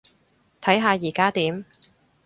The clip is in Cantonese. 睇下依加點